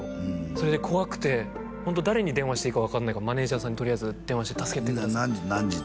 それで怖くてホント誰に電話していいか分かんないからマネージャーさんにとりあえず電話して助けて何時に？